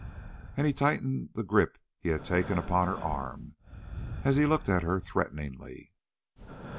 And he tightened the grip he had taken upon her arm and looked at her threateningly.